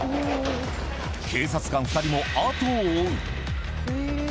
警察官２人も後を追う。